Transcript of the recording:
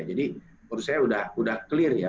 jadi menurut saya sudah clear ya